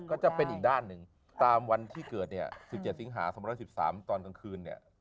ก็จะเป็นอีกด้านหนึ่งตามวันที่เกิดเนี้ยสิบเจ็ดสิงหาสำหรับสิบสามตอนกลางคืนเนี่ย